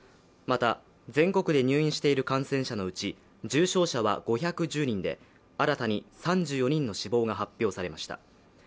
また全国で入院している感染者のうち、重症者は５１０人で新たに３４人の死亡が発表されました。